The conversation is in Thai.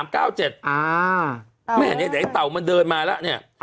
ไม่เห็นเนี่ยแต่ไอ้เต่ามันเดินมาล่ะเนี่ย